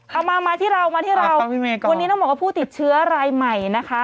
เอามามาที่เรามาที่เราวันนี้ต้องบอกว่าผู้ติดเชื้อรายใหม่นะคะ